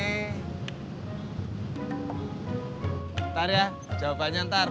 ntar ya jawabannya ntar